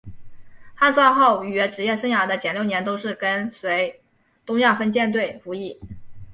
汉萨号于职业生涯的前六年都是跟随东亚分舰队服役。